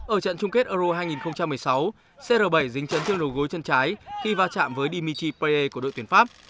ở trận chung kết euro hai nghìn một mươi sáu cr bảy dính chấn thương đầu gối chân trái khi va chạm với dimitri payet của đội tuyển pháp